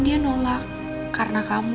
dia nolak karena kamu